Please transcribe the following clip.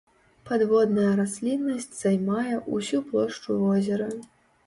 Падводная расліннасць займае ўсю плошчу возера.